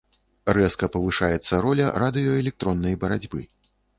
Рэзка павышаецца роля радыёэлектроннай барацьбы.